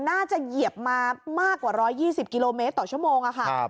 เหยียบมามากกว่า๑๒๐กิโลเมตรต่อชั่วโมงค่ะ